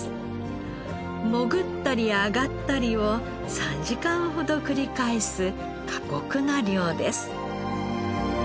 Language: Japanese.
潜ったり上がったりを３時間ほど繰り返す過酷な漁です。